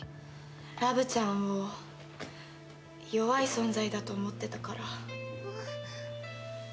ラブちゃんを弱い存在だと思ってたから。